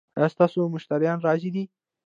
ایا ستاسو مشتریان راضي دي؟